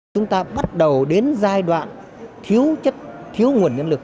chúng ta bắt đầu đến giai đoạn thiếu chất thiếu nguồn nhân lực